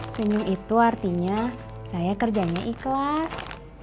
senyum itu artinya saya kerjanya ikhlas